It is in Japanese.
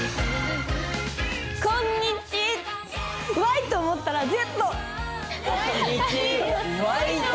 こんにちＹと思ったらＺ！